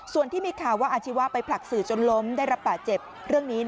ส่วนที่มีข่าวว่าอาชีวะไปผลักสื่อจนล้มได้รับบาดเจ็บเรื่องนี้